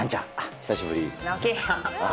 久しぶり。